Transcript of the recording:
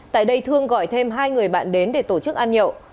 tại đây thương gọi thêm hai người bạn đến để tổ chức ăn nhậu